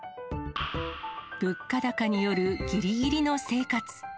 物価高によるぎりぎりの生活。